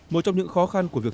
một trong những khó khăn của việc